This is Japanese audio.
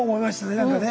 何かね。